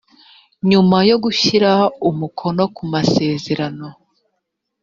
nyuma yo gushyira umukono ku masezerano